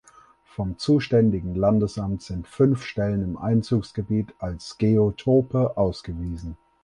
Vom zuständigen Landesamt sind fünf Stellen im Einzugsgebiet als Geotope ausgewiesen.